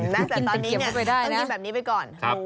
แต่ตอนนี้เนี่ยต้องกินแบบนี้ไปก่อน